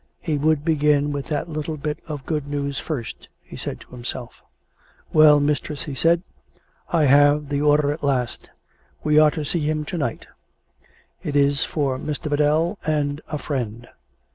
He would begin with that little bit of good news first, he said to himself. " Well, mistress," he said, " I have the order at last. We are to see him to night. It is ' for Mr. Biddell and a friend.'